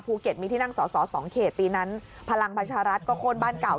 ภูเก็ตมีที่นั่งสอ๒เขตปีนั้นพลังพัชรัฐก็โค่นบ้านเก่า